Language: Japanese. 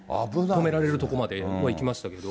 止められる所まで僕は行きましたけど。